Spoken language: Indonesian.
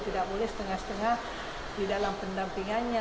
tidak boleh setengah setengah di dalam pendampingannya